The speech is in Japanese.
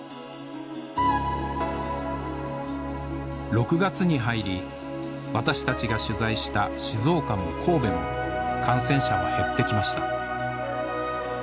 ６月に入り私たちが取材した静岡も神戸も感染者は減ってきました